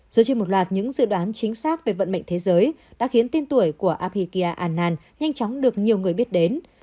giữa trên một loạt những dự đoán chính xác về vận mệnh thế giới đã khiến tiên tuổi của abhigya anand nhanh chóng được nhiều người biết đến